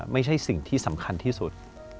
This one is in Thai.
ไม่ใช่สิ่งที่สำคัญที่สุด